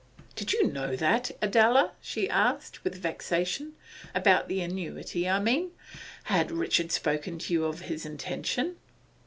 'Did you know of that, Adela?' she asked, with vexation. 'About the annuity, I mean. Had Richard spoken to you of his intention?